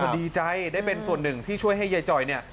ดีใจได้เป็นส่วนหนึ่งที่ช่วยให้ยายจอยเนี่ย